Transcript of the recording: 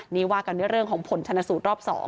นี่ว่ากันด้วยเรื่องของผลชนสูตรรอบ๒